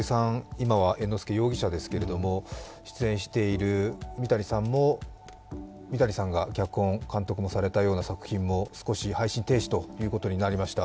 今は猿之助容疑者ですけれども出演している、三谷さんが脚本、監督をされたような作品も少し配信停止となりました。